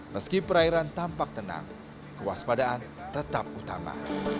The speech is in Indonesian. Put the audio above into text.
meski perairan tampak tenang kewaspadaan tetap utama